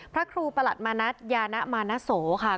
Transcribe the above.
พระครูประหลัดมณะยาณะมณะโสค่ะ